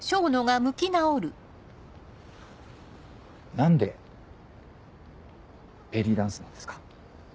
何でベリーダンスなんですか？